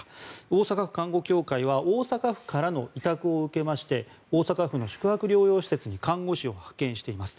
大阪府看護協会は大阪府からの委託を受けまして大阪府の宿泊療養施設に看護師を派遣しています。